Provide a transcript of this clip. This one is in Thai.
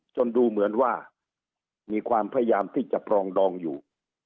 ดูเหมือนว่ามีความพยายามที่จะปรองดองอยู่